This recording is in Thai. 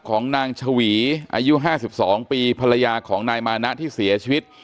ของนางชวีอายุ๕๒ปีภรรยาของนายมานะที่เสียชีวิต